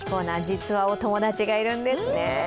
実はお友達がいるんですね